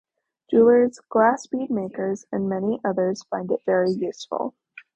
Jewellers, glassbead makers, and many others find it very useful.